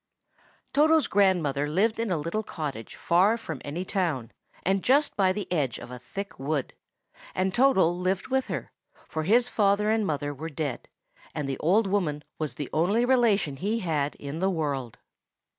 Toto's grandmother lived in a little cottage far from any town, and just by the edge of a thick wood; and Toto lived with her, for his father and mother were dead, and the old woman was the only relation he had in the world.